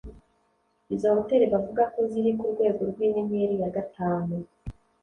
izo hotel bavuga ko ziri ku rwego rw'inyenyeri ya gatanu